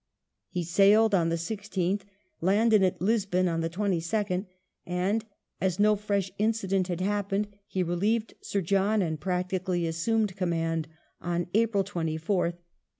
He sailed on the 16th, landed at Lisbon on the 22nd, and, as no fresh incident had happened, he relieved Sir John and practically assumed command on April 24th, 1809.